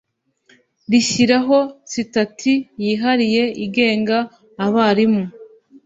rishyiraho sitati yihariye igenga abarimu